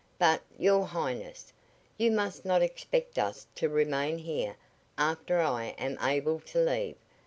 But, your Highness, you must not expect us to remain here after I am able to leave.